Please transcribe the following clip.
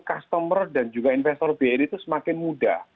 customer dan juga investor bri itu semakin mudah